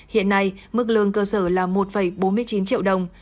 hiện nay mức lương cơ sở là một bốn mươi chín triệu đồng